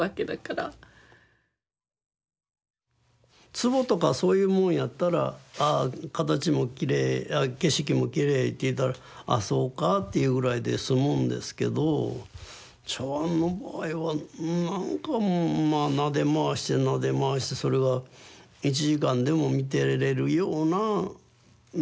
壺とかそういうもんやったら形もきれい景色もきれいっていったらあそうかっていうぐらいで済むんですけど茶碗の場合はなんかもうまあなで回してなで回してそれが１時間でも見てれるような魅力があるんですよね。